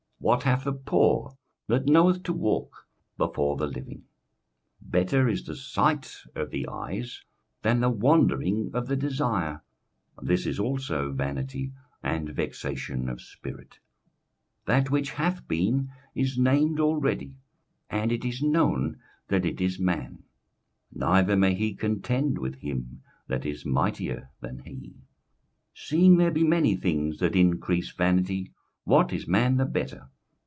what hath the poor, that knoweth to walk before the living? 21:006:009 Better is the sight of the eyes than the wandering of the desire: this is also vanity and vexation of spirit. 21:006:010 That which hath been is named already, and it is known that it is man: neither may he contend with him that is mightier than he. 21:006:011 Seeing there be many things that increase vanity, what is man the better?